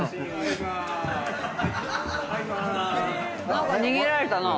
何か逃げられたな。